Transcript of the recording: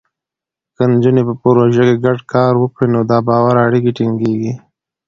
که نجونې په پروژو کې ګډ کار وکړي، نو د باور اړیکې ټینګېږي.